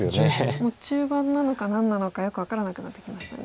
もう中盤なのか何なのかよく分からなくなってきましたね。